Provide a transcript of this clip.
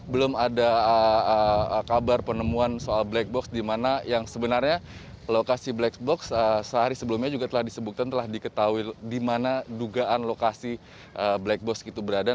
belum ada kabar penemuan soal black box di mana yang sebenarnya lokasi black box sehari sebelumnya juga telah disebutkan telah diketahui di mana dugaan lokasi black box itu berada